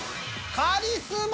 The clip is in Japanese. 「カリスマ」。